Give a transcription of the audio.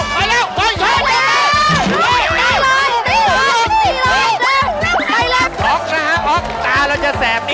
อ๊อกอะอ๊อกเสร็จ